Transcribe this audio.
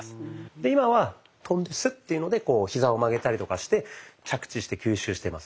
で今は跳んでスッていうのでひざを曲げたりとかして着地して吸収してます。